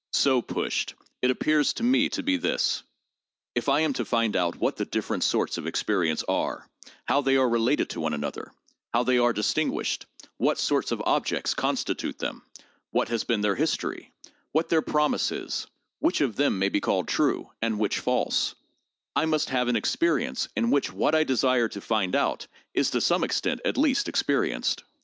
So pushed it appears to me to be this: If I am to find out what the different sorts of experience are, how they are related to one another, how they are distinguished, what sorts of objects constitute them, what has been their history, what their promise is, which of them may be called true, and which false, I must have an experience in which what I desire to find out is to some extent, at least, experienced.